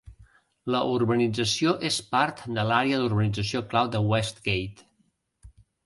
La urbanització és part de l'Àrea d'Urbanització Clau de Westgate.